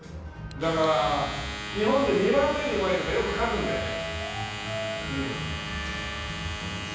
だから「日本で２番目にうまい」とかよく書くんだよね。